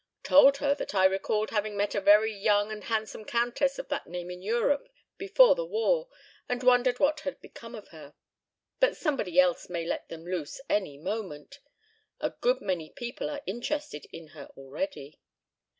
Told her that I recalled having met a very young and handsome countess of that name in Europe before the war and wondered what had become of her. ... But somebody else may let them loose any moment. A good many people are interested in her already."